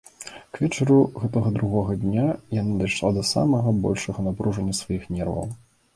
К вечару гэтага другога дня яна дайшла да самага большага напружання сваіх нерваў.